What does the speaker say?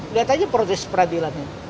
lihat aja proses peradilannya